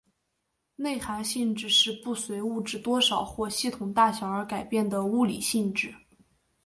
内含性质是不随物质多少或系统大小而改变的物理性质。